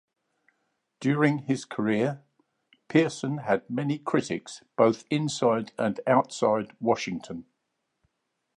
During his career, Pearson had many critics, both inside and outside Washington.